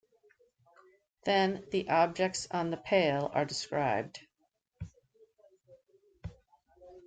Then the objects on the pale are described.